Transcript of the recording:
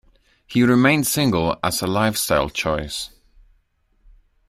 He remained single as a lifestyle choice.